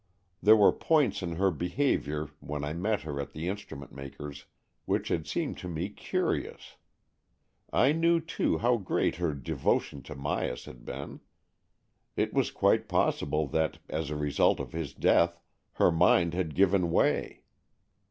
There were points in her behaviour when I met her at the instrument makers', which had seemed to me curious. I knew, too, how great her devotion to Myas had been. It was quite possible that, as a result of his death, her mind had given way.